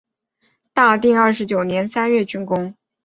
大定二十九年三月竣工。